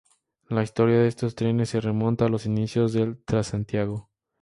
La historia de estos trenes se remonta a los inicios del Transantiago.